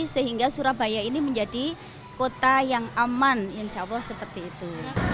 sehingga surabaya ini menjadi kota yang aman insya allah seperti itu